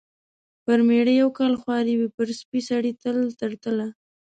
پر مېړه یو کال خواري وي، پر سپي سړي تل تر تله.